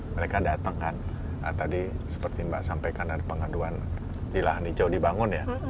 mereka datang kan tadi seperti mbak sampaikan ada pengaduan di lahan hijau dibangun ya